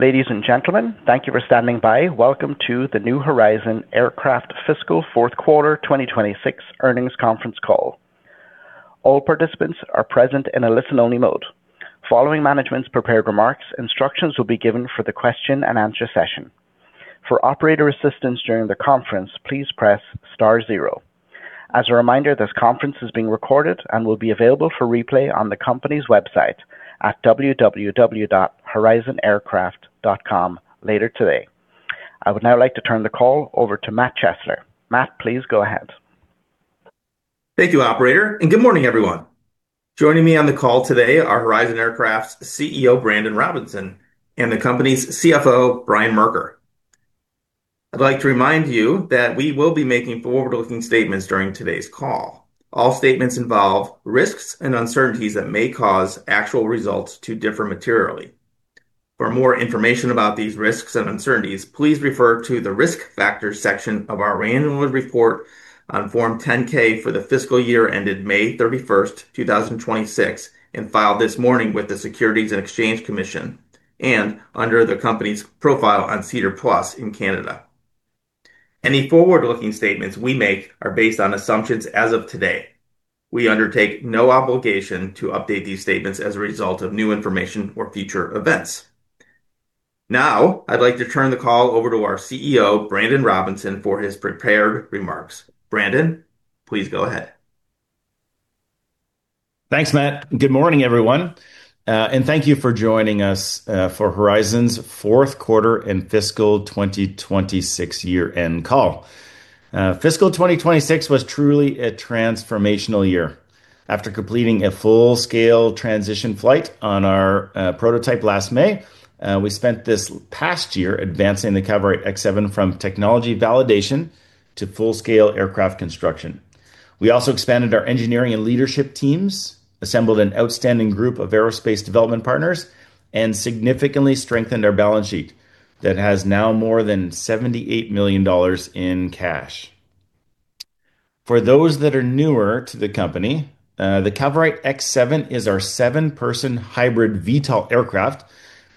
Ladies and gentlemen, thank you for standing by. Welcome to the New Horizon Aircraft fiscal fourth quarter 2026 earnings conference call. All participants are present in a listen-only mode. Following management's prepared remarks, instructions will be given for the question-and-answer session. For operator assistance during the conference, please press star zero. As a reminder, this conference is being recorded and will be available for replay on the company's website at www.horizonaircraft.com later today. I would now like to turn the call over to Matt Chesler. Matt, please go ahead. Thank you, operator. Good morning, everyone. Joining me on the call today are Horizon Aircraft's CEO, Brandon Robinson, and the company's CFO, Brian Merker. I'd like to remind you that we will be making forward-looking statements during today's call. All statements involve risks and uncertainties that may cause actual results to differ materially. For more information about these risks and uncertainties, please refer to the Risk Factors section of our annual report on Form 10-K for the fiscal year ended May 31st, 2026, and filed this morning with the Securities and Exchange Commission, and under the company's profile on SEDAR+ in Canada. Any forward-looking statements we make are based on assumptions as of today. We undertake no obligation to update these statements as a result of new information or future events. Now, I'd like to turn the call over to our CEO, Brandon Robinson, for his prepared remarks. Brandon, please go ahead. Thanks, Matt. Good morning, everyone. Thank you for joining us for Horizon's fourth quarter and fiscal 2026 year-end call. Fiscal 2026 was truly a transformational year. After completing a full-scale transition flight on our prototype last May, we spent this past year advancing the Cavorite X7 from technology validation to full-scale aircraft construction. We also expanded our engineering and leadership teams, assembled an outstanding group of aerospace development partners, and significantly strengthened our balance sheet that has now more than 78 million dollars in cash. For those that are newer to the company, the Cavorite X7 is our seven-person hybrid VTOL aircraft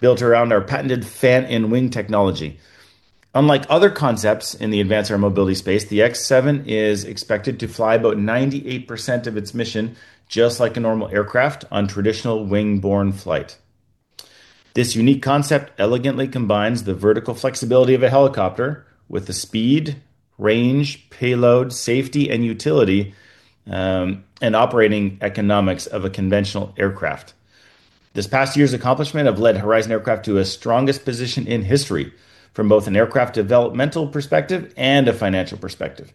built around our patented fan and wing technology. Unlike other concepts in the advanced air mobility space, the X7 is expected to fly about 98% of its mission just like a normal aircraft on traditional wing-borne flight. This unique concept elegantly combines the vertical flexibility of a helicopter with the speed, range, payload, safety and utility, and operating economics of a conventional aircraft. This past year's accomplishment have led New Horizon Aircraft to its strongest position in history from both an aircraft developmental perspective and a financial perspective.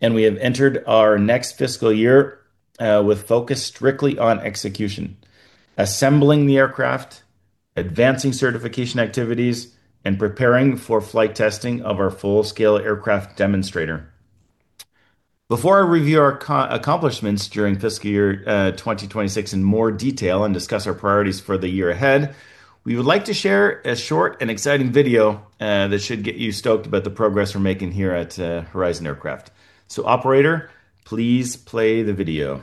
We have entered our next fiscal year with focus strictly on execution, assembling the aircraft, advancing certification activities, and preparing for flight testing of our full-scale aircraft demonstrator. Before I review our accomplishments during fiscal year 2026 in more detail and discuss our priorities for the year ahead, we would like to share a short and exciting video that should get you stoked about the progress we're making here at Horizon Aircraft. Operator, please play the video.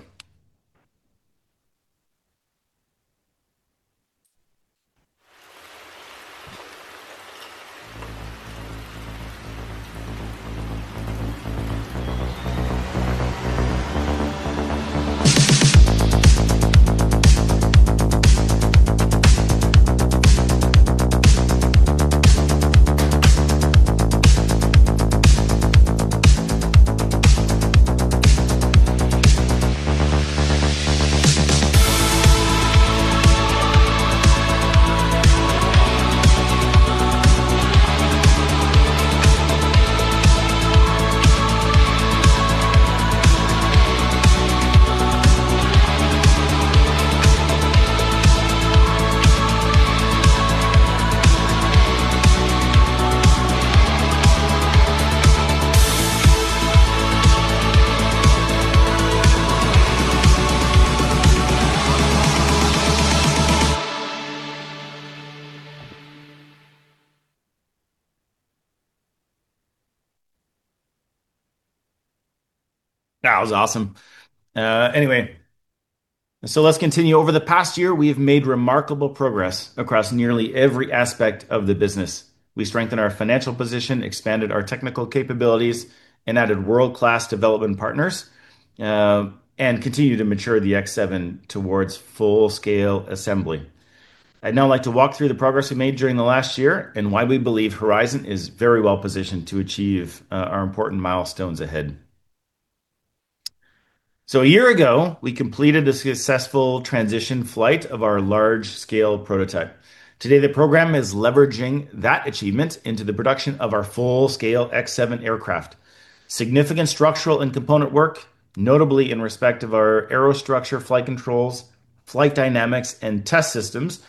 That was awesome. Anyway, let's continue. Over the past year, we have made remarkable progress across nearly every aspect of the business. We strengthened our financial position, expanded our technical capabilities, and added world-class development partners, and continue to mature the X7 towards full-scale assembly. I'd now like to walk through the progress we made during the last year and why we believe Horizon is very well-positioned to achieve our important milestones ahead. A year ago, we completed the successful transition flight of our large-scale prototype. Today, the program is leveraging that achievement into the production of our full-scale X7 aircraft. Significant structural and component work, notably in respect of our aerostructure flight controls, flight dynamics, and test systems,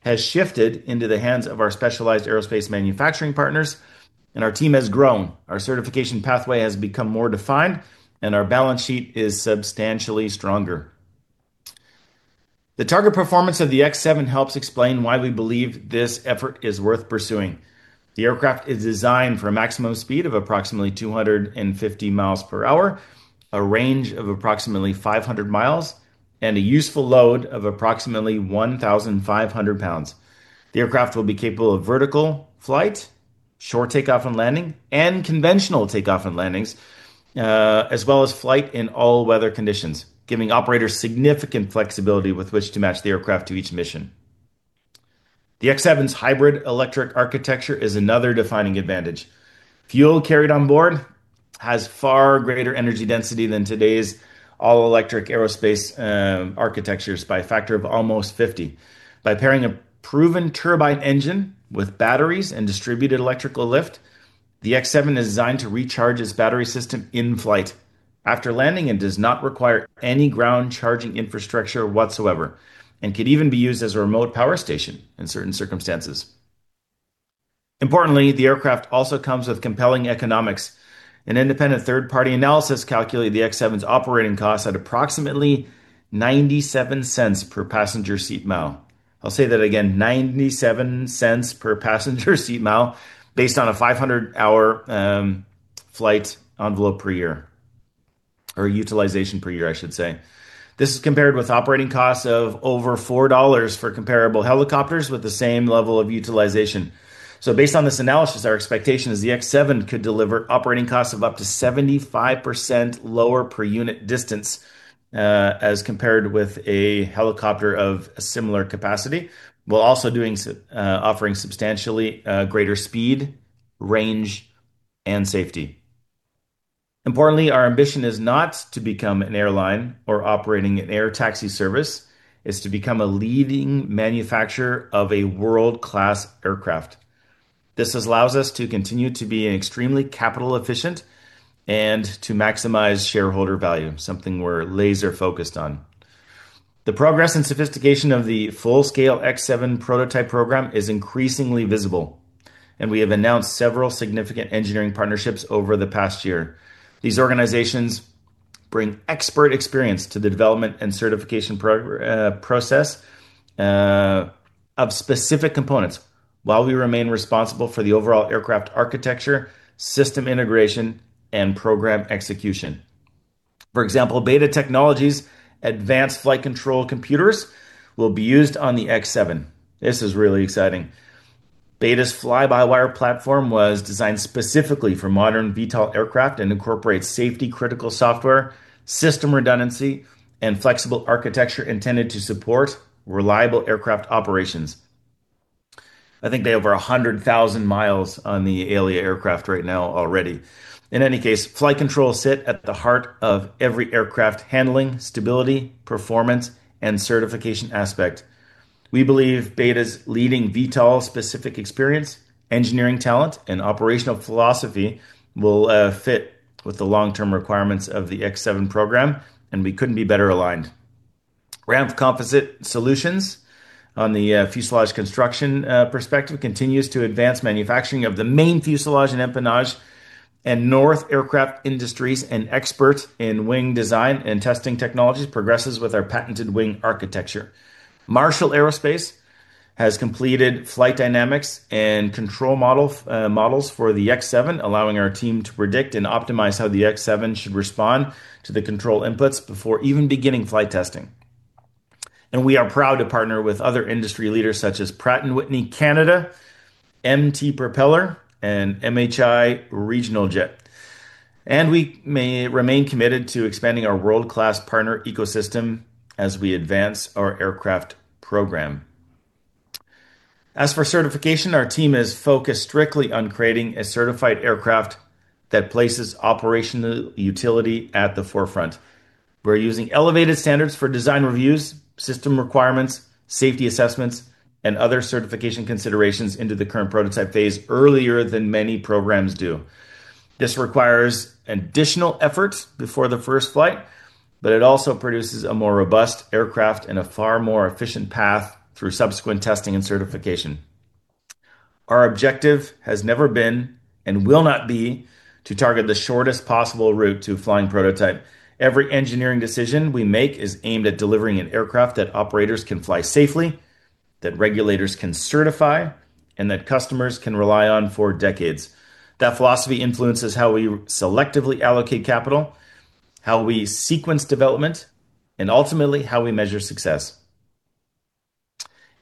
has shifted into the hands of our specialized aerospace manufacturing partners and our team has grown. Our certification pathway has become more defined, and our balance sheet is substantially stronger. The target performance of the X7 helps explain why we believe this effort is worth pursuing. The aircraft is designed for a maximum speed of approximately 250 mi per hour, a range of approximately 500 mi and a useful load of approximately 1,500 lbs. The aircraft will be capable of vertical flight, short takeoff and landing, and conventional takeoff and landings, as well as flight in all weather conditions, giving operators significant flexibility with which to match the aircraft to each mission. The X7's hybrid electric architecture is another defining advantage. Fuel carried on board has far greater energy density than today's all-electric aerospace architectures by a factor of almost 50. By pairing a proven turbine engine with batteries and distributed electrical lift, the X7 is designed to recharge its battery system in flight after landing and does not require any ground charging infrastructure whatsoever, and could even be used as a remote power station in certain circumstances. Importantly, the aircraft also comes with compelling economics. An independent third-party analysis calculated the X7's operating cost at approximately 0.97 per passenger seat mile. I'll say that again. 0.97 per passenger seat mile based on a 500-hour flight envelope per year, or utilization per year, I should say. This is compared with operating costs of over 4 dollars for comparable helicopters with the same level of utilization. Based on this analysis, our expectation is the X-7 could deliver operating costs of up to 75% lower per unit distance, as compared with a helicopter of a similar capacity, while also offering substantially greater speed, range, and safety. Importantly, our ambition is not to become an airline or operating an air taxi service. It's to become a leading manufacturer of a world-class aircraft. This allows us to continue to be extremely capital-efficient and to maximize shareholder value, something we're laser focused on. The progress and sophistication of the full-scale X-7 prototype program is increasingly visible, and we have announced several significant engineering partnerships over the past year. These organizations bring expert experience to the development and certification process of specific components while we remain responsible for the overall aircraft architecture, system integration, and program execution. For example, BETA Technologies' advanced flight control computers will be used on the X-7. This is really exciting. BETA's fly-by-wire platform was designed specifically for modern VTOL aircraft and incorporates safety-critical software, system redundancy, and flexible architecture intended to support reliable aircraft operations. I think they have over 100,000 mi on the ALIA aircraft right now already. In any case, flight controls sit at the heart of every aircraft handling stability, performance, and certification aspect. We believe BETA's leading VTOL-specific experience, engineering talent, and operational philosophy will fit with the long-term requirements of the X-7 program, and we couldn't be better aligned. RAMPF Composite Solutions on the fuselage construction perspective continues to advance manufacturing of the main fuselage and empennage, North Aircraft Industries, an expert in wing design and testing technologies, progresses with our patented wing architecture. Marshall Aerospace has completed flight dynamics and control models for the X-7, allowing our team to predict and optimize how the X-7 should respond to the control inputs before even beginning flight testing. We are proud to partner with other industry leaders such as Pratt & Whitney Canada, MT-Propeller, and MHI Regional Jet. We remain committed to expanding our world-class partner ecosystem as we advance our aircraft program. As for certification, our team is focused strictly on creating a certified aircraft that places operational utility at the forefront. We're using elevated standards for design reviews, system requirements, safety assessments, and other certification considerations into the current prototype phase earlier than many programs do. This requires additional effort before the first flight, but it also produces a more robust aircraft and a far more efficient path through subsequent testing and certification. Our objective has never been, and will not be, to target the shortest possible route to a flying prototype. Every engineering decision we make is aimed at delivering an aircraft that operators can fly safely, that regulators can certify, and that customers can rely on for decades. That philosophy influences how we selectively allocate capital, how we sequence development, and ultimately, how we measure success.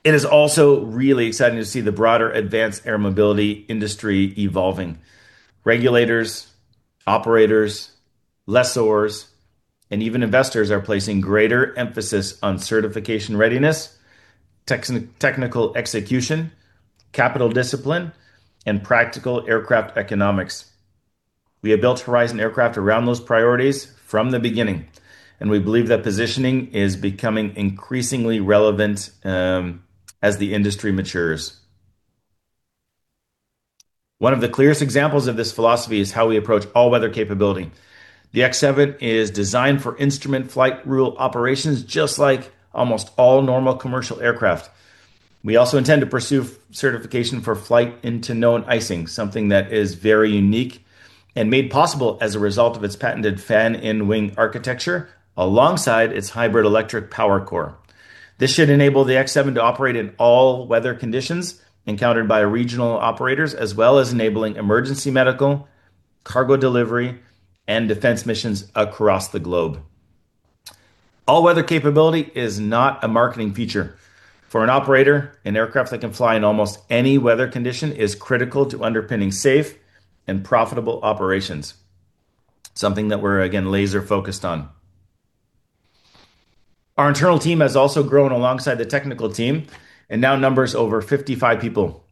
It is also really exciting to see the broader advanced air mobility industry evolving. Regulators, operators, lessors, and even investors are placing greater emphasis on certification readiness, technical execution, capital discipline, and practical aircraft economics. We have built Horizon Aircraft around those priorities from the beginning, and we believe that positioning is becoming increasingly relevant as the industry matures. One of the clearest examples of this philosophy is how we approach all-weather capability. The X-7 is designed for instrument flight rule operations, just like almost all normal commercial aircraft. We also intend to pursue certification for flight into known icing, something that is very unique and made possible as a result of its patented fan-in-wing architecture alongside its hybrid electric power core. This should enable the X-7 to operate in all weather conditions encountered by regional operators, as well as enabling emergency medical cargo delivery, and defense missions across the globe. All-weather capability is not a marketing feature. For an operator, an aircraft that can fly in almost any weather condition is critical to underpinning safe and profitable operations. Something that we're, again, laser-focused on. Our internal team has also grown alongside the technical team and now numbers over 55 people.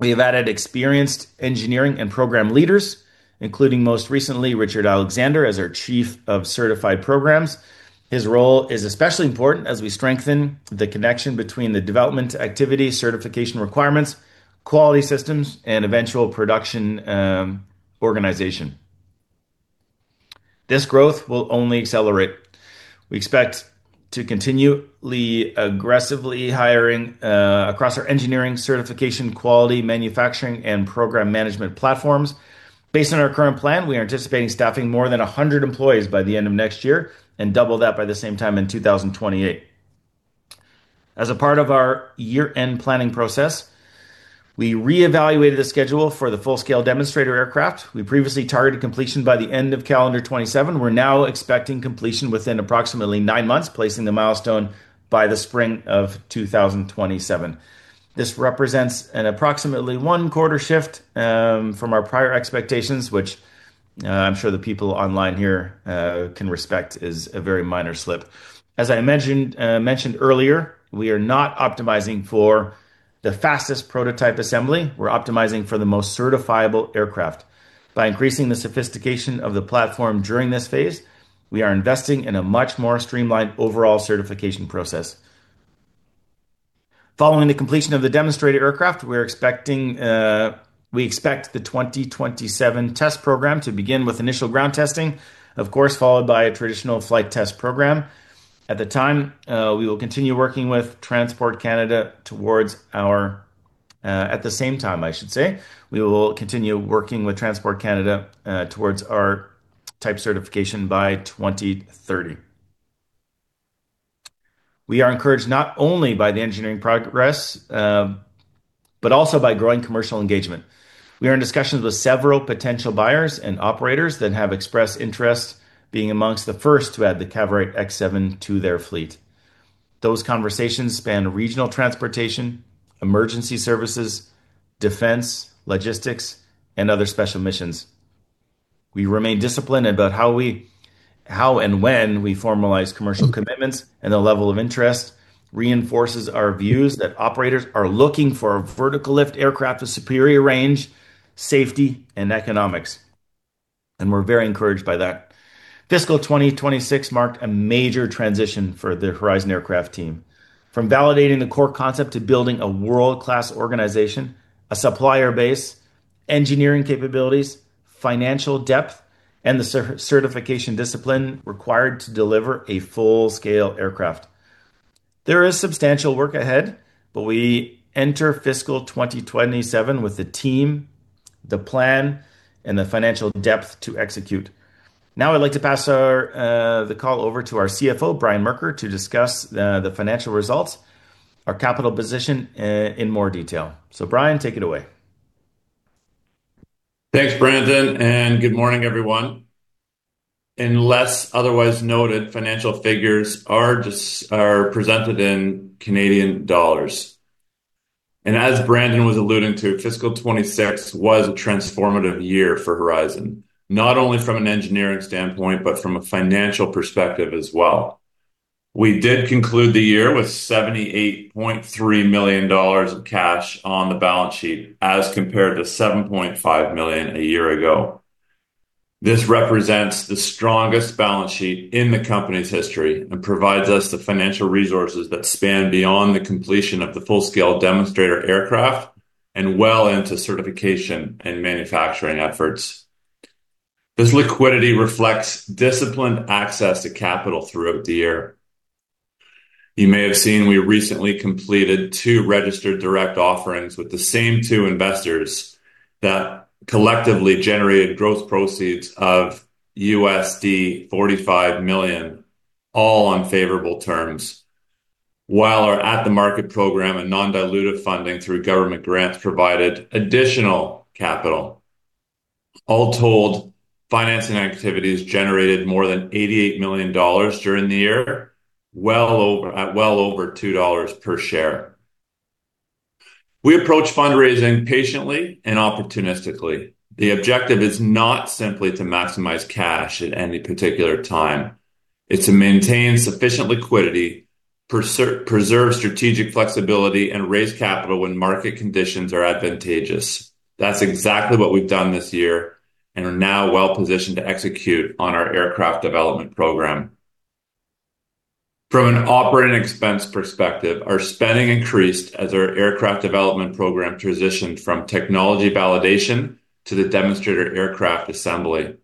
We have added experienced engineering and program leaders, including most recently Richard Alexander as our Chief of Certified Programs. His role is especially important as we strengthen the connection between the development activity, certification requirements, quality systems, and eventual production organization. This growth will only accelerate. We expect to continually aggressively hiring across our engineering, certification, quality, manufacturing, and program management platforms. Based on our current plan, we are anticipating staffing more than 100 employees by the end of next year and double that by the same time in 2028. As a part of our year-end planning process, we re-evaluated the schedule for the full-scale demonstrator aircraft. We previously targeted completion by the end of calendar 2027. We're now expecting completion within approximately nine months, placing the milestone by the Spring of 2027. This represents an approximately one-quarter shift from our prior expectations, which I'm sure the people online here can respect is a very minor slip. As I mentioned earlier, we are not optimizing for the fastest prototype assembly. We're optimizing for the most certifiable aircraft. By increasing the sophistication of the platform during this phase, we are investing in a much more streamlined overall certification process. Following the completion of the demonstrator aircraft, we expect the 2027 test program to begin with initial ground testing, of course, followed by a traditional flight test program. At the same time, I should say, we will continue working with Transport Canada towards our type certification by 2030. We are encouraged not only by the engineering progress but also by growing commercial engagement. We are in discussions with several potential buyers and operators that have expressed interest being amongst the first to add the Cavorite X7 to their fleet. Those conversations span regional transportation, emergency services, defense, logistics, and other special missions. We remain disciplined about how and when we formalize commercial commitments, and the level of interest reinforces our views that operators are looking for a vertical lift aircraft with superior range, safety, and economics, and we're very encouraged by that. Fiscal 2026 marked a major transition for the Horizon Aircraft team from validating the core concept to building a world-class organization, a supplier base, engineering capabilities, financial depth, and the certification discipline required to deliver a full-scale aircraft. There is substantial work ahead, but we enter fiscal 2027 with the team, the plan, and the financial depth to execute. Now I'd like to pass the call over to our CFO, Brian Merker, to discuss the financial results, our capital position in more detail. Brian, take it away. Thanks, Brandon, and good morning, everyone. Unless otherwise noted, financial figures are presented in Canadian dollars. As Brandon was alluding to, fiscal 2026 was a transformative year for Horizon, not only from an engineering standpoint but from a financial perspective as well. We did conclude the year with 78.3 million dollars of cash on the balance sheet as compared to 7.5 million a year ago. This represents the strongest balance sheet in the company's history and provides us the financial resources that span beyond the completion of the full-scale demonstrator aircraft and well into certification and manufacturing efforts. This liquidity reflects disciplined access to capital throughout the year. You may have seen we recently completed two registered direct offerings with the same two investors that collectively generated gross proceeds of $45 million, all on favorable terms, while our at the market program and non-dilutive funding through government grants provided additional capital. All told, financing activities generated more than 88 million dollars during the year at well over 2 dollars per share. We approach fundraising patiently and opportunistically. The objective is not simply to maximize cash at any particular time. It's to maintain sufficient liquidity, preserve strategic flexibility, and raise capital when market conditions are advantageous. That's exactly what we've done this year and are now well-positioned to execute on our aircraft development program. From an operating expense perspective, our spending increased as our aircraft development program transitioned from technology validation to the demonstrator aircraft assembly.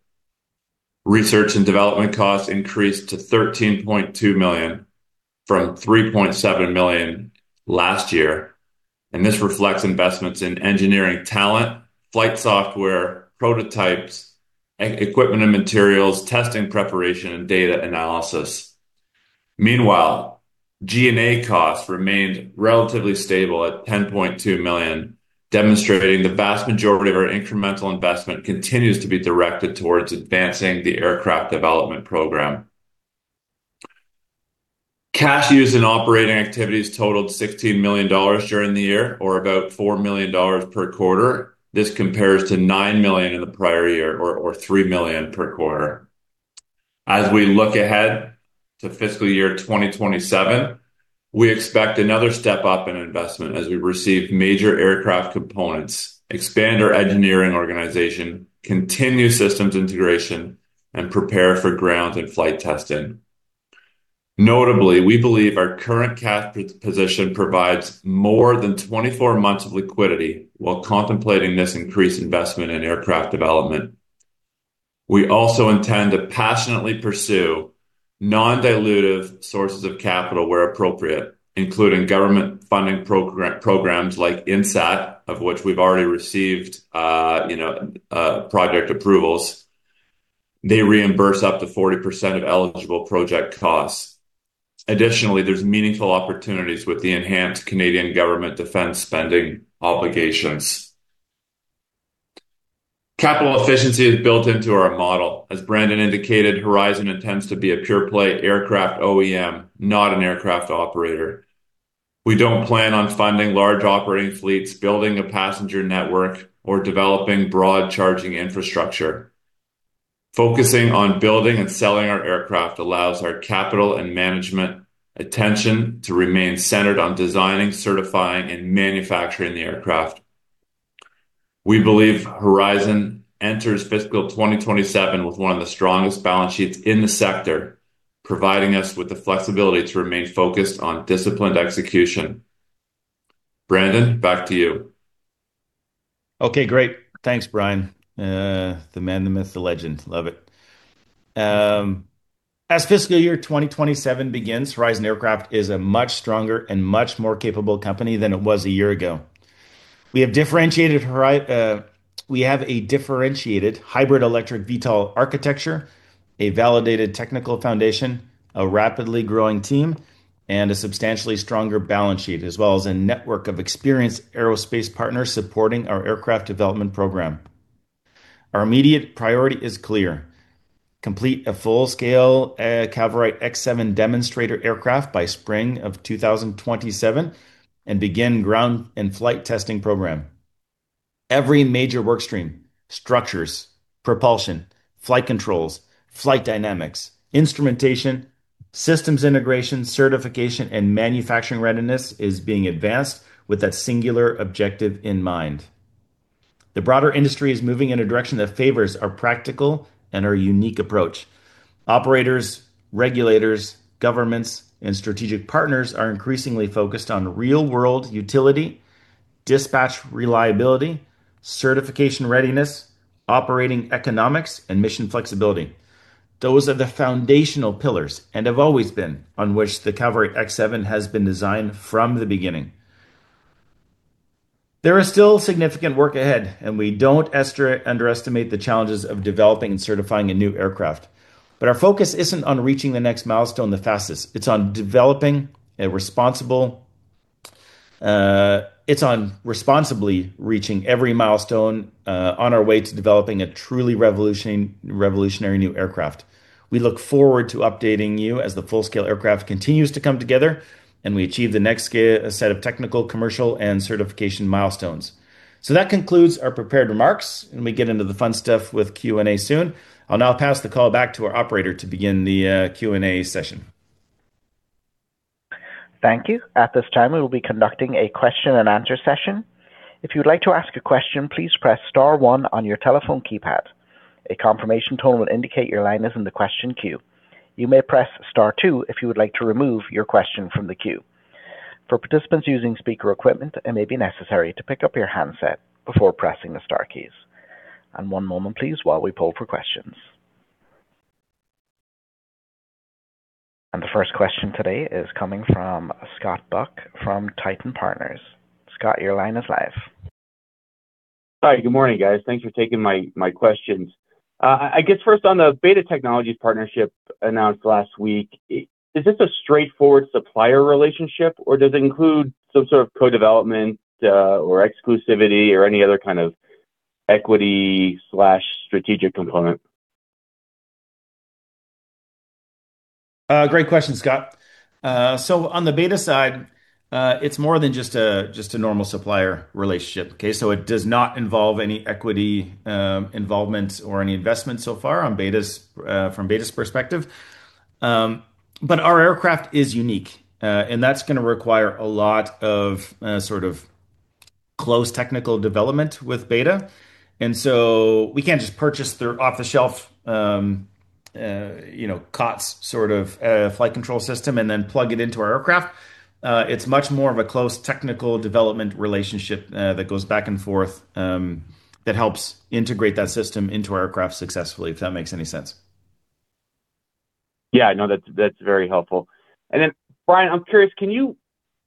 Research and development costs increased to 13.2 million from 3.7 million last year. This reflects investments in engineering talent, flight software, prototypes, equipment and materials, testing preparation, and data analysis. Meanwhile, G&A costs remained relatively stable at 10.2 million, demonstrating the vast majority of our incremental investment continues to be directed towards advancing the aircraft development program. Cash used in operating activities totaled 16 million dollars during the year, or about 4 million dollars per quarter. This compares to 9 million in the prior year or 3 million per quarter. As we look ahead to fiscal year 2027, we expect another step up in investment as we receive major aircraft components, expand our engineering organization, continue systems integration, and prepare for ground and flight testing. Notably, we believe our current cash position provides more than 24 months of liquidity while contemplating this increased investment in aircraft development. We also intend to passionately pursue non-dilutive sources of capital where appropriate, including government funding programs like [INSAT], of which we've already received project approvals. They reimburse up to 40% of eligible project costs. Additionally, there's meaningful opportunities with the enhanced Canadian government defense spending obligations. Capital efficiency is built into our model. As Brandon indicated, Horizon intends to be a pure play aircraft OEM, not an aircraft operator. We don't plan on funding large operating fleets, building a passenger network, or developing broad charging infrastructure. Focusing on building and selling our aircraft allows our capital and management attention to remain centered on designing, certifying, and manufacturing the aircraft. We believe Horizon enters fiscal 2027 with one of the strongest balance sheets in the sector, providing us with the flexibility to remain focused on disciplined execution. Brandon, back to you. Okay, great. Thanks, Brian. The man, the myth, the legend. Love it. As fiscal year 2027 begins, New Horizon Aircraft is a much stronger and much more capable company than it was a year ago. We have a differentiated hybrid electric VTOL architecture, a validated technical foundation, a rapidly growing team, and a substantially stronger balance sheet, as well as a network of experienced aerospace partners supporting our aircraft development program. Our immediate priority is clear. Complete a full-scale Cavorite X7 demonstrator aircraft by spring of 2027 and begin ground and flight testing program. Every major work stream, structures, propulsion, flight controls, flight dynamics, instrumentation, systems integration, certification, and manufacturing readiness is being advanced with that singular objective in mind. The broader industry is moving in a direction that favors our practical and our unique approach. Operators, regulators, governments, and strategic partners are increasingly focused on real-world utility, dispatch reliability, certification readiness, operating economics, and mission flexibility. Those are the foundational pillars, and have always been, on which the Cavorite X7 has been designed from the beginning. There is still significant work ahead, we don't underestimate the challenges of developing and certifying a new aircraft. Our focus isn't on reaching the next milestone the fastest. It's on responsibly reaching every milestone on our way to developing a truly revolutionary new aircraft. We look forward to updating you as the full-scale aircraft continues to come together and we achieve the next set of technical, commercial, and certification milestones. That concludes our prepared remarks, and we get into the fun stuff with Q&A soon. I'll now pass the call back to our operator to begin the Q&A session. Thank you. At this time, we will be conducting a question-and-answer session. If you'd like to ask a question, please press star one on your telephone keypad. A confirmation tone will indicate your line is in the question queue. You may press star two if you would like to remove your question from the queue. For participants using speaker equipment, it may be necessary to pick up your handset before pressing the star keys. One moment please while we poll for questions. The first question today is coming from Scott Buck from Titan Partners. Scott, your line is live. Hi, good morning, guys. Thanks for taking my questions. I guess first on the BETA Technologies partnership announced last week, is this a straightforward supplier relationship, or does it include some sort of co-development or exclusivity or any other kind of equity/strategic component? Great question, Scott. On the BETA side, it's more than just a normal supplier relationship, okay? It does not involve any equity involvement or any investment so far from BETA's perspective. Our aircraft is unique, and that's going to require a lot of close technical development with BETA. We can't just purchase their off-the-shelf COTS flight control system and then plug it into our aircraft. It's much more of a close technical development relationship that goes back and forth that helps integrate that system into our aircraft successfully, if that makes any sense. Yeah. No, that's very helpful. Brian, I'm curious, can you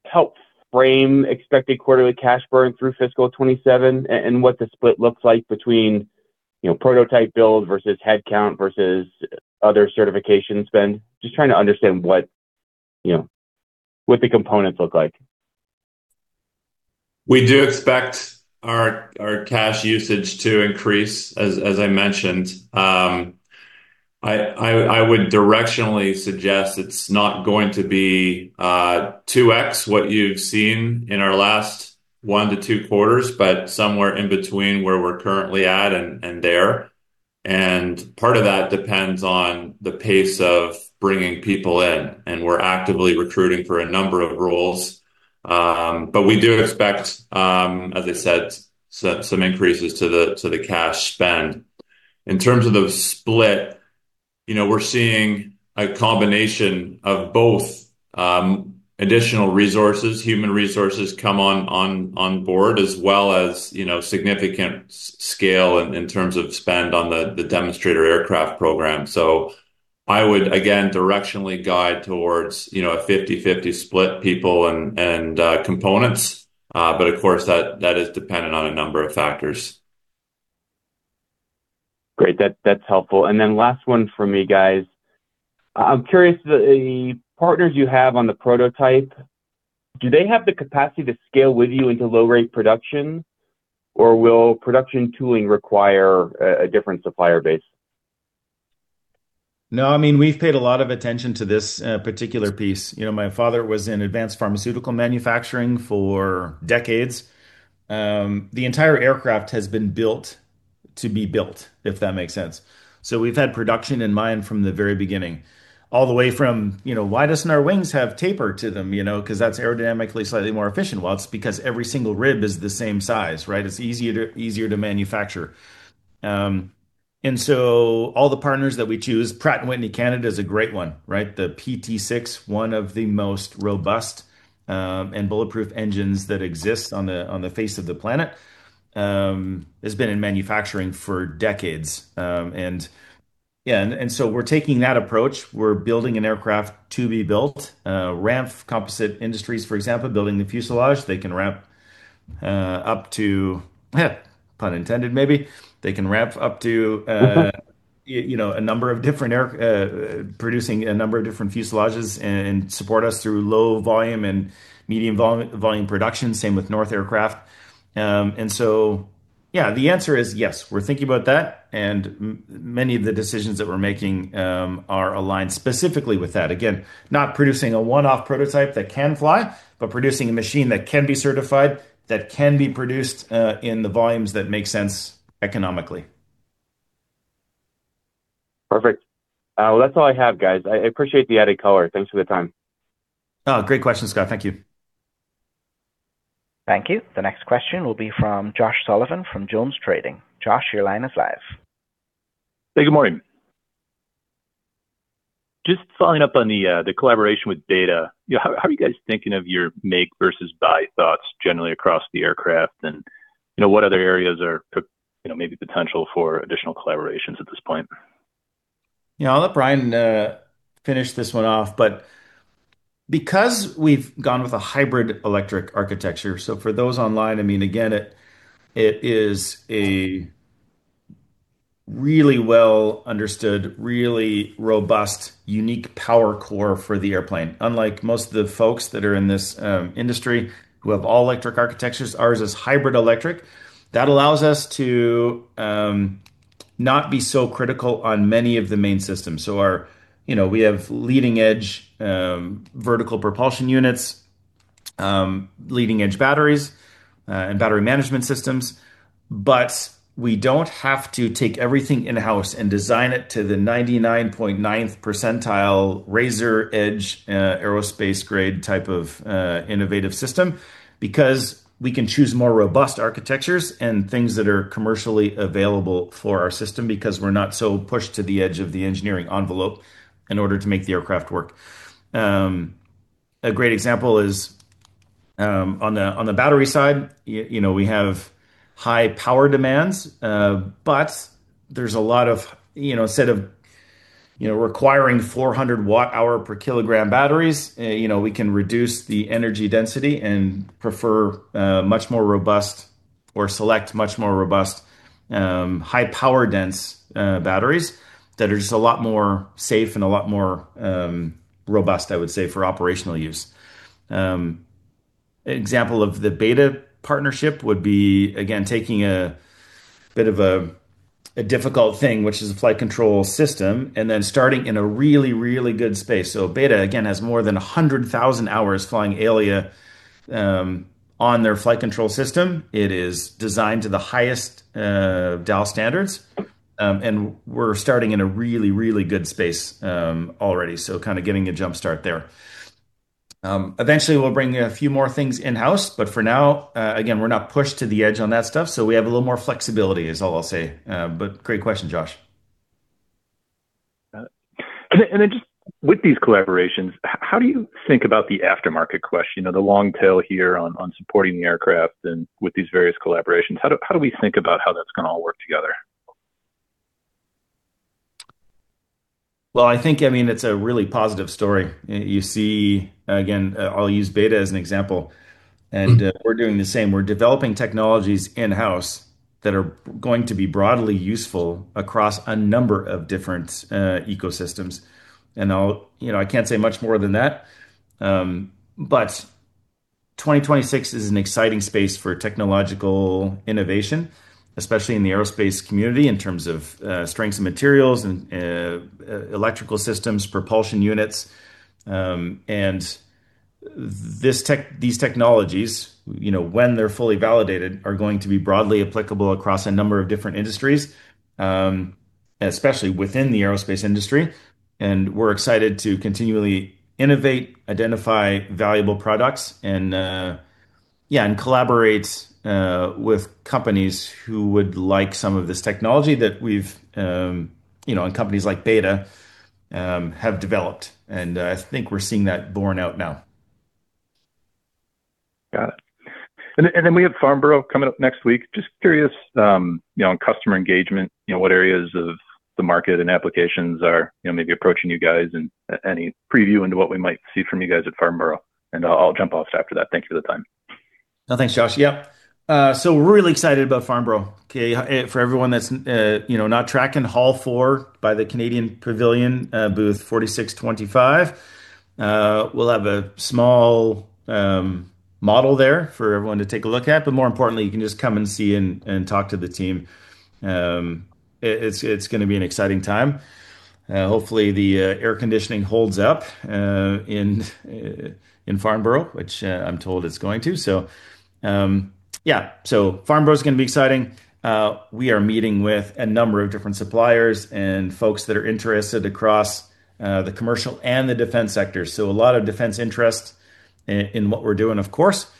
help frame expected quarterly cash burn through fiscal 2027 and what the split looks like between prototype build versus headcount versus other certification spend. Just trying to understand what the components look like. We do expect our cash usage to increase, as I mentioned. I would directionally suggest it's not going to be 2x what you've seen in our last one to two quarters, but somewhere in between where we're currently at and there. Part of that depends on the pace of bringing people in, and we're actively recruiting for a number of roles. We do expect, as I said, some increases to the cash spend. In terms of the split, we're seeing a combination of both additional resources, human resources come on board as well as significant scale in terms of spend on the demonstrator aircraft program. I would, again, directionally guide towards a 50/50 split people and components. Of course, that is dependent on a number of factors. Great. That's helpful. Last one for me, guys. I'm curious, the partners you have on the prototype, do they have the capacity to scale with you into low rate production, or will production tooling require a different supplier base? No, we've paid a lot of attention to this particular piece. My father was in advanced pharmaceutical manufacturing for decades. The entire aircraft has been built to be built, if that makes sense. We've had production in mind from the very beginning, all the way from why doesn't our wings have taper to them? Because that's aerodynamically slightly more efficient. Well, it's because every single rib is the same size, right? It's easier to manufacture. All the partners that we choose, Pratt & Whitney Canada is a great one, right? The PT6, one of the most robust and bulletproof engines that exists on the face of the planet, has been in manufacturing for decades. We're taking that approach. We're building an aircraft to be built. RAMPF Composite Solutions, for example, building the fuselage, they can ramp up to producing a number of different fuselages and support us through low volume and medium volume production. Same with North Aircraft. Yeah, the answer is yes. We're thinking about that, and many of the decisions that we're making are aligned specifically with that. Again, not producing a one-off prototype that can fly, but producing a machine that can be certified, that can be produced in the volumes that make sense economically. Perfect. Well, that's all I have, guys. I appreciate the added color. Thanks for the time. Great question, Scott. Thank you. Thank you. The next question will be from Josh Sullivan from JonesTrading. Josh, your line is live. Hey, good morning. Just following up on the collaboration with BETA. How are you guys thinking of your make versus buy thoughts generally across the aircraft, and what other areas are maybe potential for additional collaborations at this point? I'll let Brian finish this one off. Because we've gone with a hybrid electric architecture, for those online, again, it is a really well-understood, really robust, unique power core for the airplane. Unlike most of the folks that are in this industry who have all electric architectures, ours is hybrid electric. That allows us to not be so critical on many of the main systems. We have leading-edge vertical propulsion units, leading-edge batteries, and battery management systems. We don't have to take everything in-house and design it to the 99.9th percentile, razor-edge, aerospace-grade type of innovative system because we can choose more robust architectures and things that are commercially available for our system because we're not so pushed to the edge of the engineering envelope in order to make the aircraft work. A great example is on the battery side, we have high power demands. Instead of requiring 400 Wh/kg batteries, we can reduce the energy density and prefer much more robust or select much more robust, high power dense batteries that are just a lot more safe and a lot more robust, I would say, for operational use. An example of the BETA partnership would be, again, taking a bit of a difficult thing, which is a flight control system, and then starting in a really, really good space. BETA, again, has more than 100,000 hours flying ALIA on their flight control system. It is designed to the highest DAL standards, and we're starting in a really, really good space already, so kind of getting a jumpstart there. Eventually, we'll bring a few more things in-house, but for now, again, we're not pushed to the edge on that stuff, so we have a little more flexibility is all I'll say. Great question, Josh. Got it. Just with these collaborations, how do you think about the aftermarket question or the long tail here on supporting the aircraft and with these various collaborations? How do we think about how that's going to all work together? Well, I think it's a really positive story. You see, again, I'll use BETA as an example. We're doing the same. We're developing technologies in-house that are going to be broadly useful across a number of different ecosystems. I can't say much more than that. 2026 is an exciting space for technological innovation, especially in the aerospace community in terms of strengths of materials and electrical systems, propulsion units. These technologies, when they're fully validated, are going to be broadly applicable across a number of different industries, especially within the aerospace industry. We're excited to continually innovate, identify valuable products, and collaborate with companies who would like some of this technology that we've, and companies like BETA, have developed. I think we're seeing that borne out now. Got it. We have Farnborough coming up next week. Just curious, on customer engagement, what areas of the market and applications are maybe approaching you guys, any preview into what we might see from you guys at Farnborough? I'll jump off after that. Thank you for the time. No, thanks, Josh. Yep. We're really excited about Farnborough. Okay. For everyone that's not tracking Hall 4 by the Canadian Pavilion, Booth #4625, we'll have a small model there for everyone to take a look at. More importantly, you can just come and see and talk to the team. It's going to be an exciting time. Hopefully, the air conditioning holds up in Farnborough, which I'm told it's going to. Farnborough's going to be exciting. We are meeting with a number of different suppliers and folks that are interested across the commercial and the defense sector. A lot of defense interest in what we're doing, of course.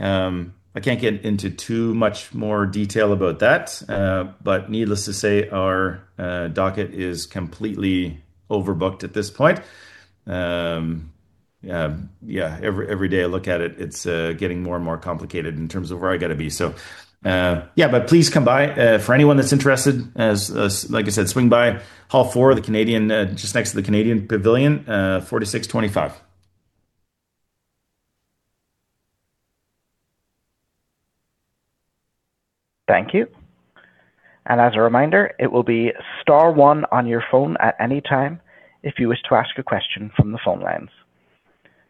I can't get into too much more detail about that. Needless to say, our docket is completely overbooked at this point. Yeah. Every day I look at it's getting more and more complicated in terms of where I got to be. Please come by. For anyone that's interested, like I said, swing by Hall 4, just next to the Canadian Pavilion, #4625. Thank you. As a reminder, it will be star one on your phone at any time if you wish to ask a question from the phone lines.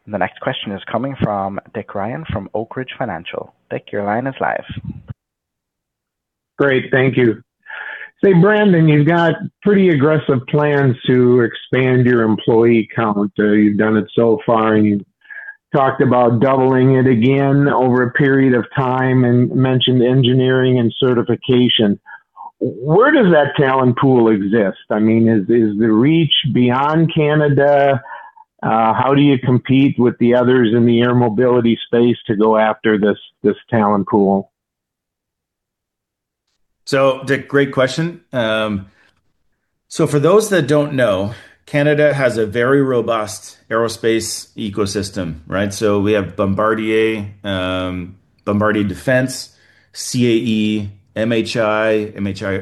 The next question is coming from Rick Ryan from Oak Ridge Financial. Rick, your line is live. Great. Thank you. Say, Brandon, you've got pretty aggressive plans to expand your employee count. You've done it so far, and you've talked about doubling it again over a period of time, and mentioned engineering and certification. Where does that talent pool exist? I mean, is the reach beyond Canada? How do you compete with the others in the air mobility space to go after this talent pool? Rick, great question. For those that don't know, Canada has a very robust aerospace ecosystem, right? We have Bombardier Defense, CAE, MHI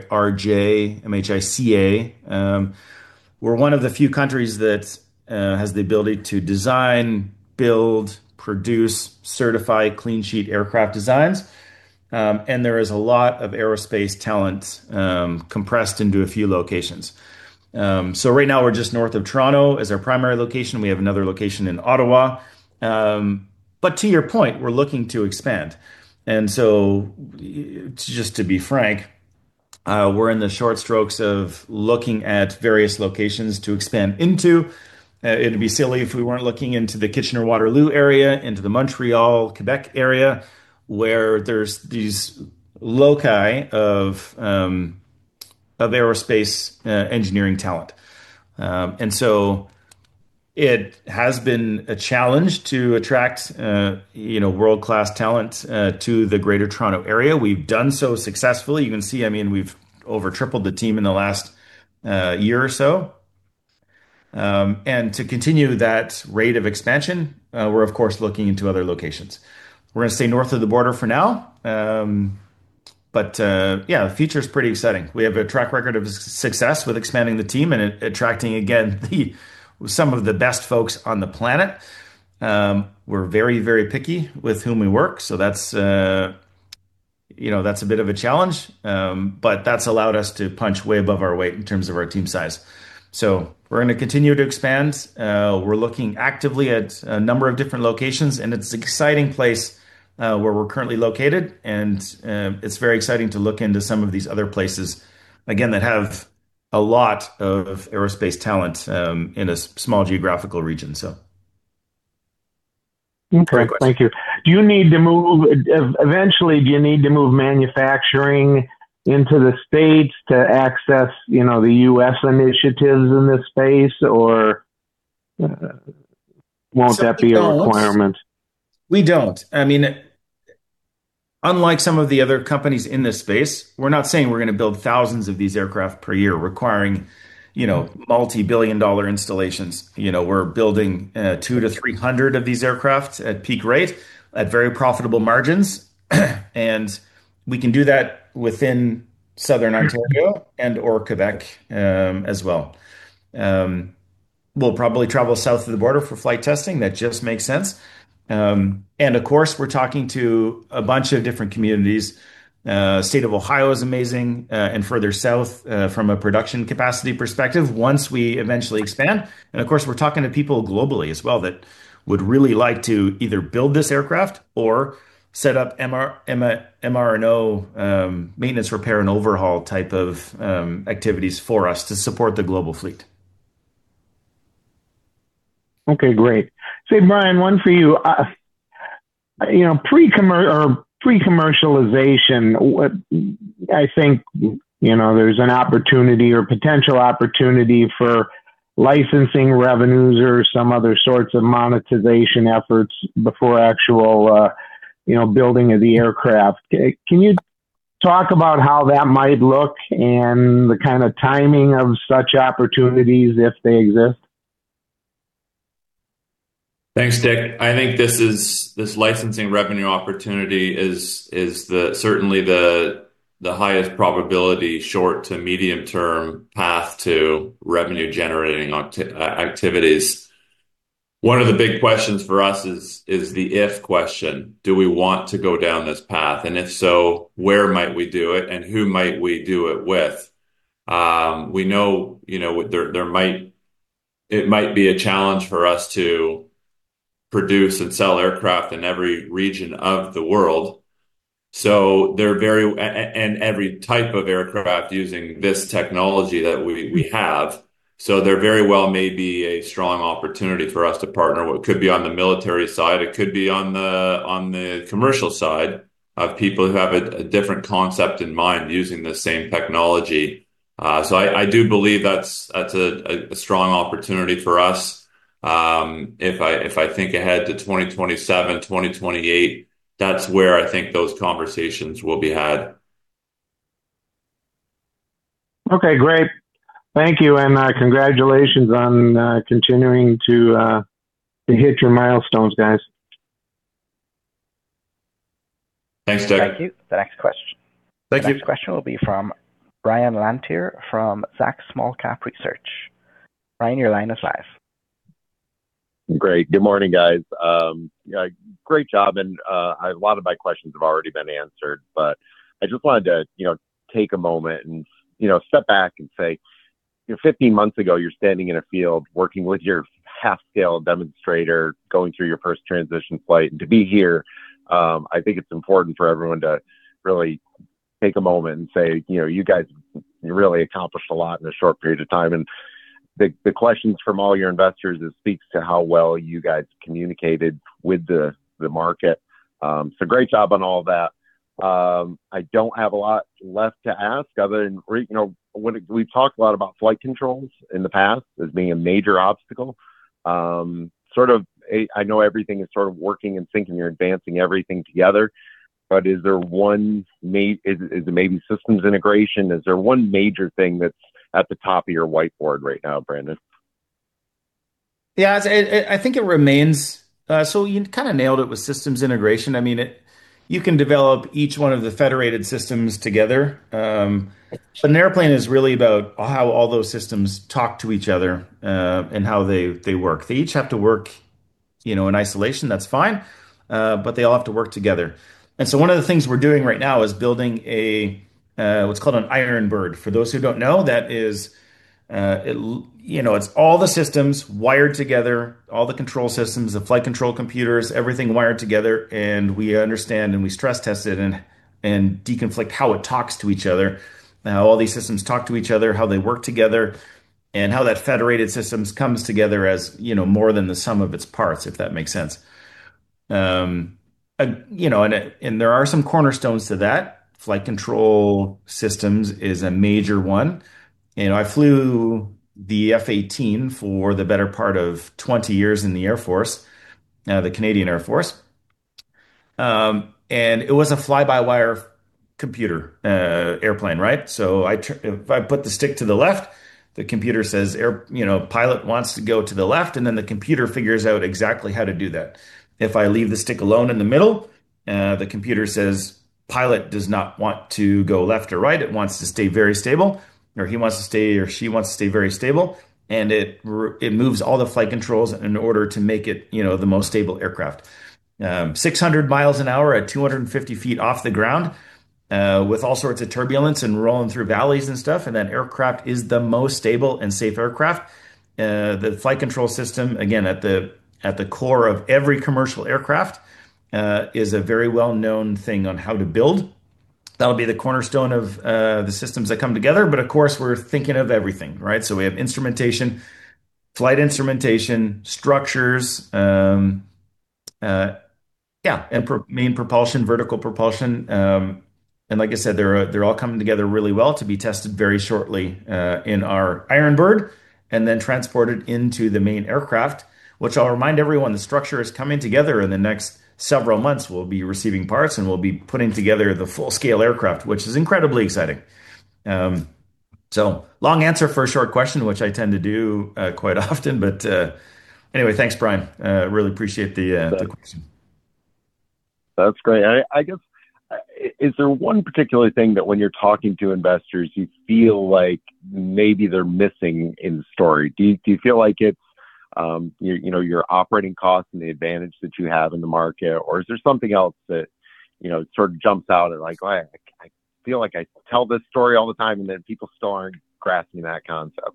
RJ, MHICA. We're one of the few countries that has the ability to design, build, produce, certify clean sheet aircraft designs. There is a lot of aerospace talent compressed into a few locations. Right now we're just north of Toronto as our primary location. We have another location in Ottawa. To your point, we're looking to expand. Just to be frank, we're in the short strokes of looking at various locations to expand into. It'd be silly if we weren't looking into the Kitchener-Waterloo area, into the Montreal-Quebec area, where there's these loci of aerospace engineering talent. It has been a challenge to attract world-class talent to the Greater Toronto Area. We've done so successfully. You can see, we've over tripled the team in the last year or so. To continue that rate of expansion, we're of course looking into other locations. We're going to stay north of the border for now. Yeah, the future's pretty exciting. We have a track record of success with expanding the team and attracting, again, some of the best folks on the planet. We're very, very picky with whom we work, so that's a bit of a challenge. That's allowed us to punch way above our weight in terms of our team size. We're going to continue to expand. We're looking actively at a number of different locations, and it's an exciting place where we're currently located. It's very exciting to look into some of these other places, again, that have a lot of aerospace talent in a small geographical region. Okay. Great question. Thank you. Eventually, do you need to move manufacturing into the state to access the U.S. initiatives in this space, or won't that be a requirement? We don't. I mean, unlike some of the other companies in this space, we're not saying we're going to build thousands of these aircraft per year requiring multi-billion dollar installations. We're building 200-300 of these aircraft at peak rate at very profitable margins. We can do that within southern Ontario and/or Quebec as well. We'll probably travel south of the border for flight testing. That just makes sense. Of course, we're talking to a bunch of different communities. State of Ohio is amazing, and further south, from a production capacity perspective once we eventually expand. Of course, we're talking to people globally as well that would really like to either build this aircraft or set up MRO, maintenance, repair, and overhaul type of activities for us to support the global fleet. Okay, great. Brian, one for you. Pre-commercialization, I think there's an opportunity or potential opportunity for licensing revenues or some other sorts of monetization efforts before actual building of the aircraft. Can you talk about how that might look and the kind of timing of such opportunities, if they exist? Thanks, Rick. I think this licensing revenue opportunity is certainly the highest probability short to medium term path to revenue-generating activities. One of the big questions for us is the if question, do we want to go down this path? If so, where might we do it, and who might we do it with? We know it might be a challenge for us to produce and sell aircraft in every region of the world, and every type of aircraft using this technology that we have. There very well may be a strong opportunity for us to partner. It could be on the military side, it could be on the commercial side of people who have a different concept in mind using the same technology. I do believe that's a strong opportunity for us. If I think ahead to 2027, 2028, that's where I think those conversations will be had. Okay, great. Thank you, and congratulations on continuing to hit your milestones, guys. Thanks, Rick. Thank you. The next question. Thank you. The next question will be from Brian Lantier from Zacks Small-Cap Research. Brian, your line is live. Great. Good morning, guys. Great job, a lot of my questions have already been answered, but I just wanted to take a moment and step back and say, 15 months ago, you were standing in a field working with your half-scale demonstrator, going through your first transition flight. To be here, I think it's important for everyone to really take a moment and say, you guys really accomplished a lot in a short period of time. The questions from all your investors speaks to how well you guys communicated with the market. Great job on all that. I don't have a lot left to ask other than we've talked a lot about flight controls in the past as being a major obstacle. I know everything is sort of working in sync and you're advancing everything together, is there one maybe systems integration? Is there one major thing that's at the top of your whiteboard right now, Brandon? Yeah. You kind of nailed it with systems integration. You can develop each one of the federated systems together. An airplane is really about how all those systems talk to each other, and how they work. They each have to work in isolation, that's fine, but they all have to work together. One of the things we're doing right now is building what's called an iron bird. For those who don't know, it's all the systems wired together, all the control systems, the flight control computers, everything wired together, and we understand and we stress test it and deconflict how it talks to each other, how all these systems talk to each other, how they work together, and how that federated systems comes together as more than the sum of its parts, if that makes sense. There are some cornerstones to that. Flight control systems is a major one, and I flew the F-18 for the better part of 20 years in the Air Force, the Canadian Air Force, and it was a fly-by-wire computer airplane, right? If I put the stick to the left, the computer says, "Pilot wants to go to the left," the computer figures out exactly how to do that. If I leave the stick alone in the middle, the computer says, "Pilot does not want to go left or right. It wants to stay very stable," or he wants to stay, or she wants to stay very stable, and it moves all the flight controls in order to make it the most stable aircraft. 600 mi an hour at 250 ft off the ground, with all sorts of turbulence and rolling through valleys and stuff, that aircraft is the most stable and safe aircraft. The flight control system, again, at the core of every commercial aircraft, is a very well-known thing on how to build. That'll be the cornerstone of the systems that come together. Of course, we're thinking of everything, right? We have instrumentation, flight instrumentation, structures, yeah, main propulsion, vertical propulsion. Like I said, they're all coming together really well to be tested very shortly in our iron bird and then transported into the main aircraft, which I'll remind everyone, the structure is coming together. In the next several months, we'll be receiving parts and we'll be putting together the full-scale aircraft, which is incredibly exciting. Long answer for a short question, which I tend to do quite often. Anyway, thanks, Brian. Really appreciate the question. That's great. I guess, is there one particular thing that when you're talking to investors you feel like maybe they're missing in the story? Do you feel like it's your operating costs and the advantage that you have in the market, or is there something else that sort of jumps out at like, "I feel like I tell this story all the time, and then people still aren't grasping that concept?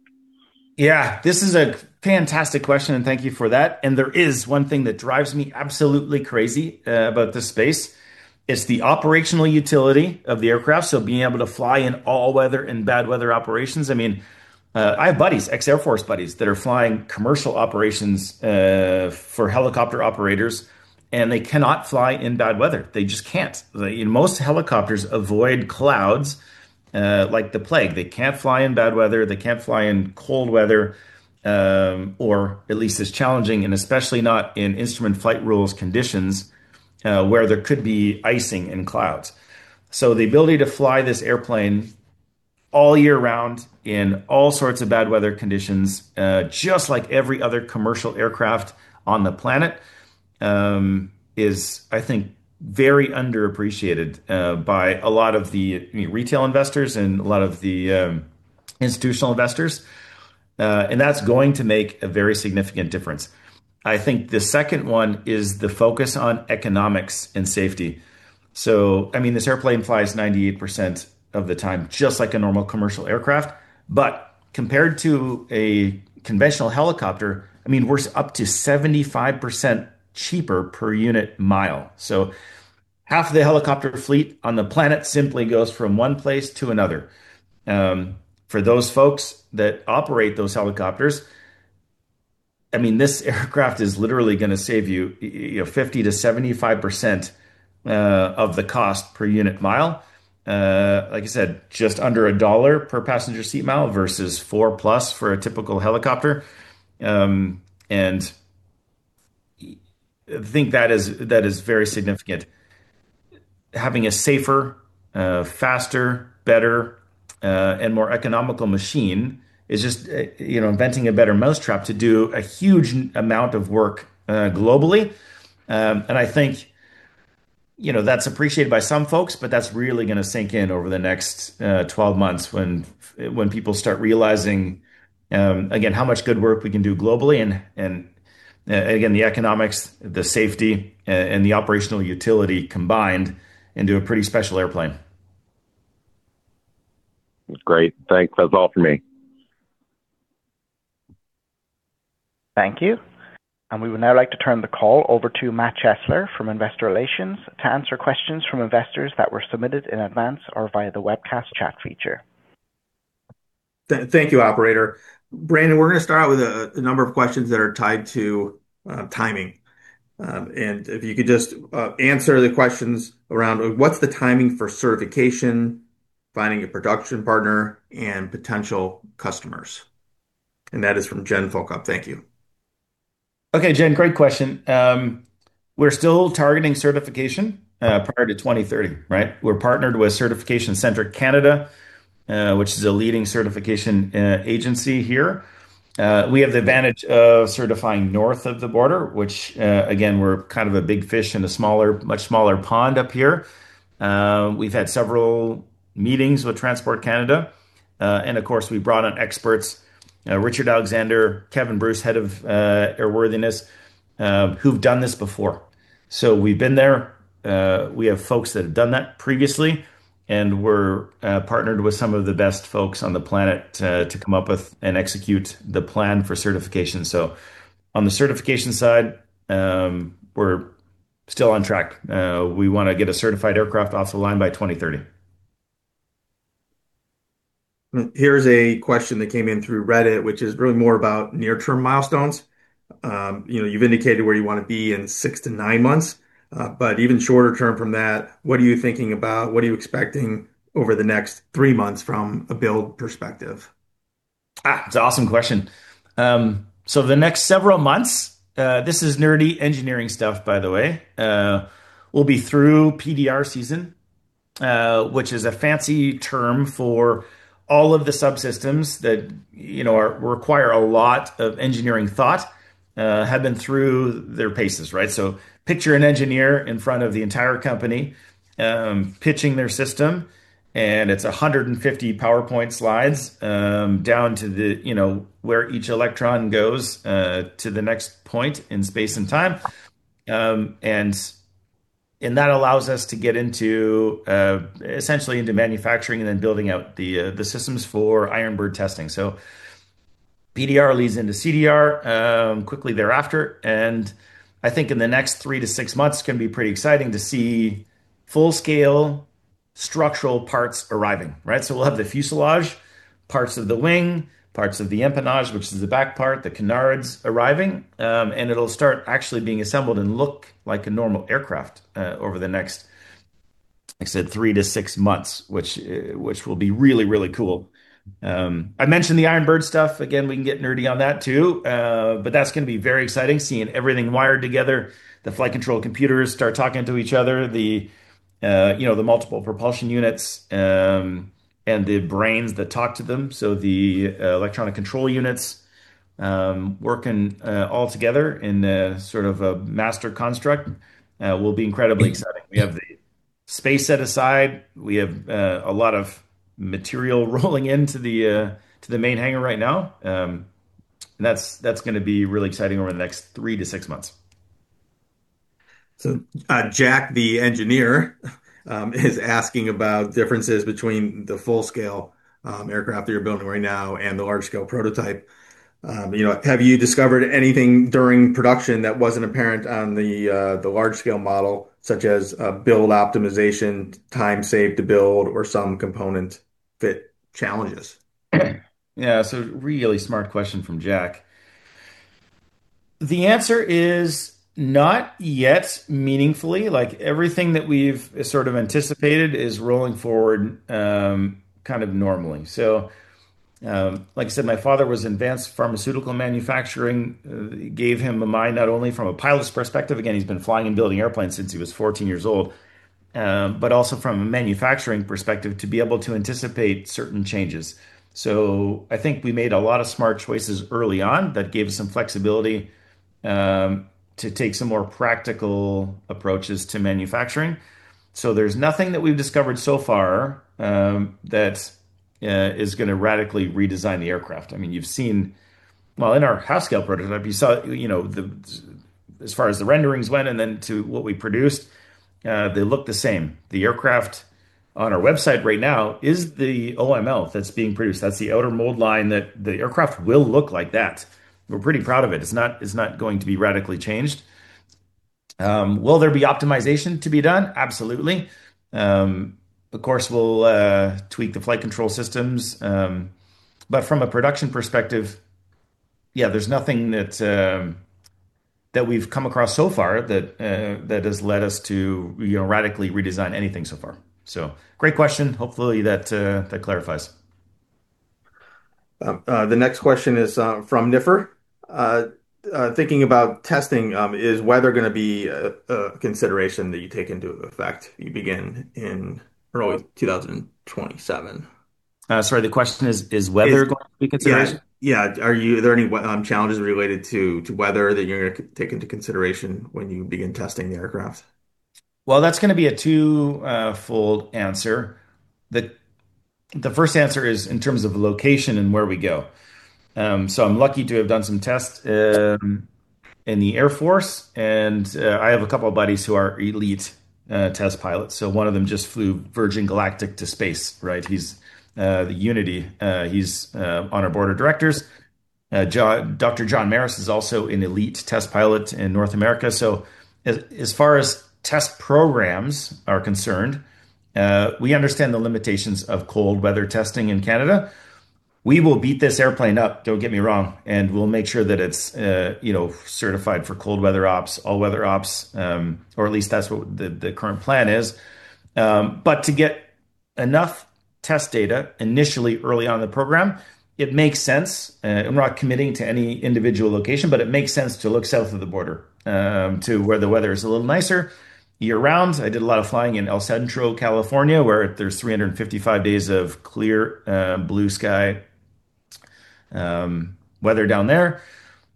Yeah. This is a fantastic question, and thank you for that. There is one thing that drives me absolutely crazy about this space. It's the operational utility of the aircraft, so being able to fly in all weather and bad weather operations. I have buddies, ex-Air Force buddies, that are flying commercial operations for helicopter operators, and they cannot fly in bad weather. They just can't. Most helicopters avoid clouds like the plague. They can't fly in bad weather. They can't fly in cold weather, or at least it's challenging, and especially not in instrument flight rules conditions where there could be icing in clouds. The ability to fly this airplane all year round in all sorts of bad weather conditions, just like every other commercial aircraft on the planet, is I think very underappreciated by a lot of the retail investors and a lot of the institutional investors. That's going to make a very significant difference. I think the second one is the focus on economics and safety. This airplane flies 98% of the time just like a normal commercial aircraft, but compared to a conventional helicopter, we're up to 75% cheaper per unit mile. Half the helicopter fleet on the planet simply goes from one place to another. For those folks that operate those helicopters, this aircraft is literally going to save you 50%-75% of the cost per unit mile. Like I said, just under CAD 1 per passenger seat mile versus 4+ for a typical helicopter and I think that is very significant. Having a safer, faster, better, and more economical machine is just inventing a better mousetrap to do a huge amount of work globally. I think that's appreciated by some folks, but that's really going to sink in over the next 12 months when people start realizing, again, how much good work we can do globally and, again, the economics, the safety, and the operational utility combined into a pretty special airplane. That's great. Thanks. That's all for me. Thank you. We would now like to turn the call over to Matt Chesler from investor relations to answer questions from investors that were submitted in advance or via the webcast chat feature. Thank you, operator. Brandon, we're going to start out with a number of questions that are tied to timing. If you could just answer the questions around what's the timing for certification, finding a production partner, and potential customers? That is from Jen Falkofske. Thank you. Okay, Jen, great question. We're still targeting certification prior to 2030, right? We're partnered with Cert Center Canada, which is a leading certification agency here. We have the advantage of certifying north of the border, which again, we're kind of a big fish in a much smaller pond up here. We've had several meetings with Transport Canada. Of course, we've brought on experts, Richard Alexander, Kevin Bruce, Head of Airworthiness, who've done this before. We've been there. We have folks that have done that previously, and we're partnered with some of the best folks on the planet to come up with and execute the plan for certification. On the certification side, we're still on track. We want to get a certified aircraft off the line by 2030. Here's a question that came in through Reddit, which is really more about near-term milestones. You've indicated where you want to be in six to nine months. Even shorter term from that, what are you thinking about? What are you expecting over the next three months from a build perspective? <<>> It's an awesome question. So the next several months, this is nerdy engineering stuff by the way, we'll be through PDR season which is a fancy term for all of these systems that require a lot of engineering thoughts have been through their paces, right? So pitching an engineer in front of the entire company, pitching their system, and it's 150 PowerPoint slide down to where each electron goes to the next point based on time, and that allows us to essentially manufacture and building up the systems for testing. So PDR lease into CDR quickly thereafter and I think the next three to six months can be pretty exciting to see full-scale structural patterns arriving. We'll have the fuselage, parts of the wing, parts of the empennage, which is the back part, the canards arriving, and it'll start actually being assembled and look like a normal aircraft over the next, like I said, three to six months, which will be really, really cool. I mentioned the iron bird stuff. Again, we can get nerdy on that, too. That's going to be very exciting seeing everything wired together, the flight control computers start talking to each other, the multiple propulsion units and the brains that talk to them, so the electronic control units working all together in a sort of a master construct will be incredibly exciting. We have the space set aside. We have a lot of material rolling into the main hangar right now. That's going to be really exciting over the next three to six months. Jack, the engineer, is asking about differences between the full-scale aircraft that you're building right now and the large-scale prototype. Have you discovered anything during production that wasn't apparent on the large-scale model, such as build optimization, time saved to build, or some component fit challenges? Yeah, really smart question from Jack. The answer is not yet meaningfully. Everything that we've sort of anticipated is rolling forward kind of normally. Like I said, my father was in advanced pharmaceutical manufacturing. It gave him a mind, not only from a pilot's perspective, again, he's been flying and building airplanes since he was 14 years old, but also from a manufacturing perspective, to be able to anticipate certain changes. I think we made a lot of smart choices early on that gave us some flexibility to take some more practical approaches to manufacturing. There's nothing that we've discovered so far that is going to radically redesign the aircraft. Well, in our half-scale prototype, you saw as far as the renderings went, and then to what we produced, they look the same. The aircraft on our website right now is the OML that's being produced. That's the outer mold line that the aircraft will look like that. We're pretty proud of it. It's not going to be radically changed. Will there be optimization to be done? Absolutely. Of course, we'll tweak the flight control systems. From a production perspective, yeah, there's nothing that we've come across so far that has led us to radically redesign anything so far. Great question. Hopefully, that clarifies. The next question is from Niffer. Thinking about testing, is weather going to be a consideration that you take into effect you begin in early 2027 Sorry, the question is weather going to be a consideration? Yeah. Are there any challenges related to weather that you're going to take into consideration when you begin testing the aircraft? Well, that's going to be a two-fold answer. The first answer is in terms of location and where we go. I'm lucky to have done some tests in the Air Force, and I have a couple of buddies who are elite test pilots. One of them just flew Virgin Galactic to space, right? He's the Unity. He's on our Board of Directors. Dr. John Maris is also an elite test pilot in North America. As far as test programs are concerned, we understand the limitations of cold weather testing in Canada. We will beat this airplane up, don't get me wrong, and we'll make sure that it's certified for cold weather ops, all-weather ops, or at least that's what the current plan is. To get enough test data initially early on in the program, it makes sense, I'm not committing to any individual location, but it makes sense to look south of the border, to where the weather is a little nicer year-round. I did a lot of flying in El Centro, California, where there's 355 days of clear blue sky weather down there.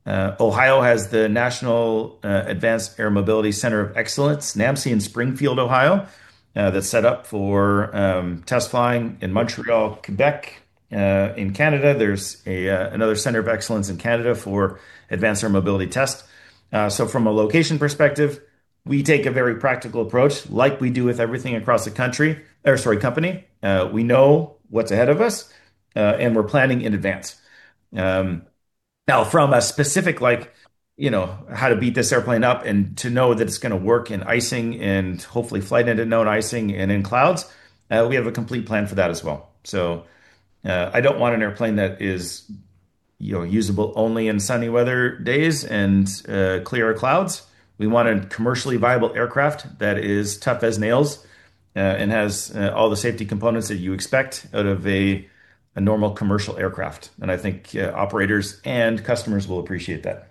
Ohio has the National Advanced Air Mobility Center of Excellence, NAAMCE, in Springfield, Ohio, that's set up for test flying. In Montreal, Quebec. In Canada, there's another center of excellence in Canada for advanced air mobility test. From a location perspective, we take a very practical approach, like we do with everything across the company. We know what's ahead of us, and we're planning in advance. Now, from a specific, like how to beat this airplane up and to know that it's going to work in icing and hopefully flight into known icing and in clouds, we have a complete plan for that as well. I don't want an airplane that is usable only in sunny weather days and clear of clouds. We want a commercially viable aircraft that is tough as nails and has all the safety components that you expect out of a normal commercial aircraft. I think operators and customers will appreciate that.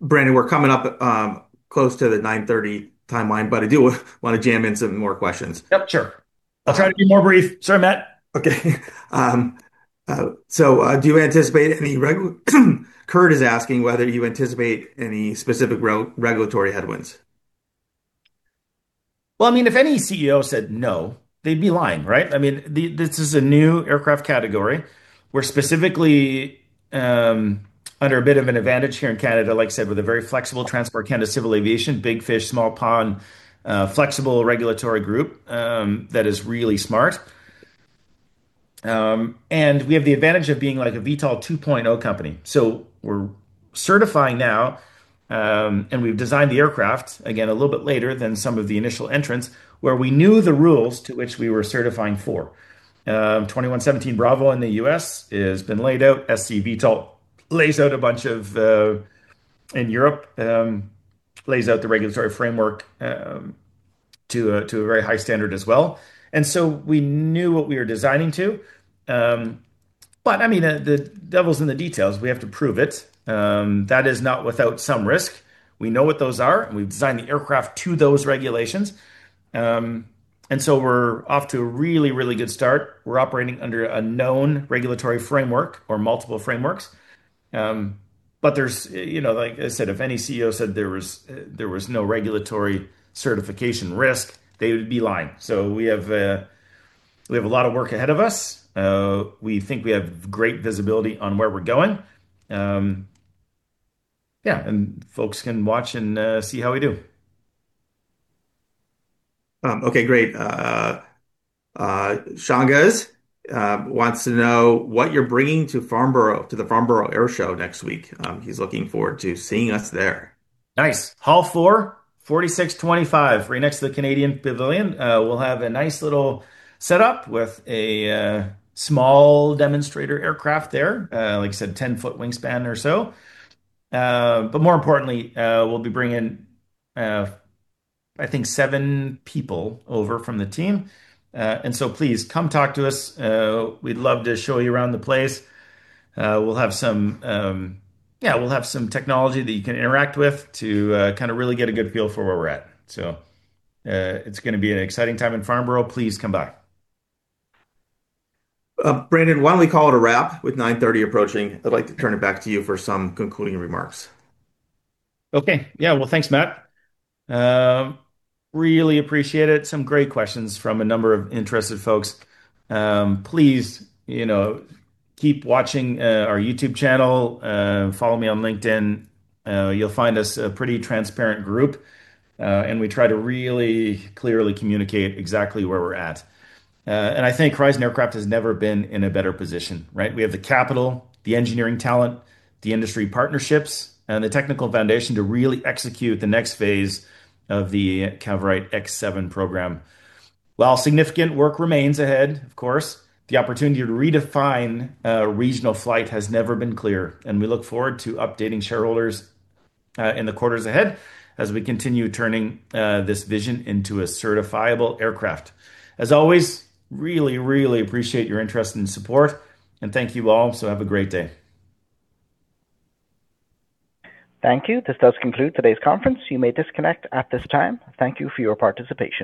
Brandon, we're coming up close to the 9:30 timeline, but I do want to jam in some more questions. Yep, sure. I'll try to be more brief. Sorry, Matt. Okay. Kurt is asking whether you anticipate any specific regulatory headwinds. Well, if any CEO said no, they'd be lying, right? This is a new aircraft category. We're specifically under a bit of an advantage here in Canada, like I said, with a very flexible Transport Canada Civil Aviation, big fish, small pond, flexible regulatory group that is really smart. We have the advantage of being like a VTOL 2.0 company. We're certifying now, and we've designed the aircraft, again, a little bit later than some of the initial entrants, where we knew the rules to which we were certifying for. 21.17 Bravo in the U.S. has been laid out. SC VTOL lays out the regulatory framework to a very high standard as well. We knew what we were designing to. The devil's in the details. We have to prove it. That is not without some risk. We know what those are, we've designed the aircraft to those regulations and so we're off to a really, really good start. We're operating under a known regulatory framework or multiple frameworks. Like I said, if any CEO said there was no regulatory certification risk, they would be lying. We have a lot of work ahead of us. We think we have great visibility on where we're going. Yeah. Folks can watch and see how we do. Okay, great. Shangas wants to know what you're bringing to Farnborough, to the Farnborough Airshow next week. He's looking forward to seeing us there. Nice. Hall 4, #4625, right next to the Canadian Pavilion. We'll have a nice little setup with a small demonstrator aircraft there, like you said, 10ft wingspan or so. More importantly, we'll be bringing, I think, seven people over from the team. Please come talk to us. We'd love to show you around the place. We'll have some technology that you can interact with to kind of really get a good feel for where we're at. It's going to be an exciting time in Farnborough. Please come by. Brandon, why don't we call it a wrap with 9:30 approaching? I'd like to turn it back to you for some concluding remarks. Okay. Yeah. Well, thanks, Matt. Really appreciate it. Some great questions from a number of interested folks. Please keep watching our YouTube channel, follow me on LinkedIn. You will find us a pretty transparent group, we try to really clearly communicate exactly where we are at. I think Horizon Aircraft has never been in a better position, right? We have the capital, the engineering talent, the industry partnerships, and the technical foundation to really execute the next phase of the Cavorite X7 program. While significant work remains ahead, of course, the opportunity to redefine regional flight has never been clear, and we look forward to updating shareholders in the quarters ahead as we continue turning this vision into a certifiable aircraft. As always, really, really appreciate your interest and support. Thank you all. Have a great day. Thank you. This does conclude today's conference. You may disconnect at this time. Thank you for your participation.